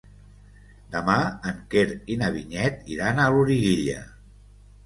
Demà en Quer i na Vinyet iran a Loriguilla.